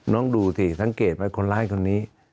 น้องดูสิสังเกตไหมคนร้ายคนนี้